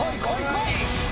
こい！